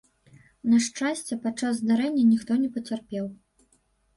На шчасце, падчас здарэння ніхто не пацярпеў.